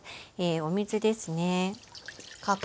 お水ですね。